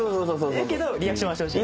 やけどリアクションはしてほしい？